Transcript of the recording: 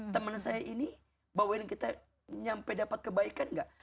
teman saya ini bawa kita sampai dapat kebaikan gak